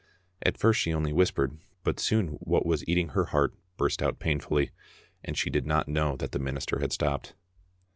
At first she only whispered, but soon what was eating her heart burst out pain fully, and she did not know that the minister had stopped.